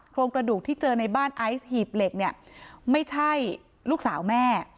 โครงกระดูกที่เจอในบ้านไอซ์หีบเหล็กเนี่ยไม่ใช่ลูกสาวแม่